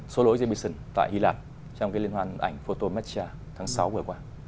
số lỗi jameson tại hy lạp trong cái liên hoàn ảnh photometria tháng sáu vừa qua